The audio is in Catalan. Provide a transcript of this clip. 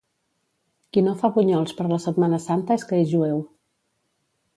Qui no fa bunyols per la Setmana Santa és que és jueu.